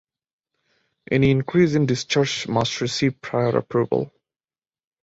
Any increase in discharge must receive prior approval.